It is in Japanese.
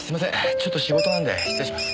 ちょっと仕事なんで失礼します。